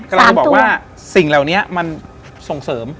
เราบอกว่าสิ่งเหล่านี้มันส่งเสริม